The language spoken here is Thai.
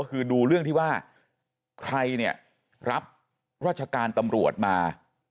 ก็คือดูเรื่องที่ว่าใครเนี่ยรับราชการตำรวจมา